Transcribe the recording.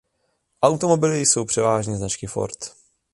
Automobily jsou převážně značky Ford.